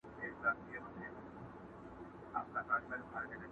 د خلکو حافظه له دې کيسې نه پاکيږي هېڅ،